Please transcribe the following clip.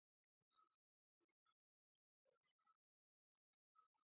ما به څنګه خپله ورېنداره وژله.